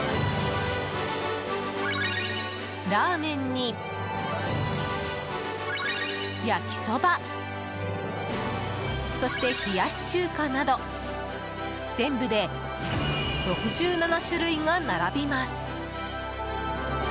ラーメンに、焼きそばそして冷やし中華など全部で６７種類が並びます。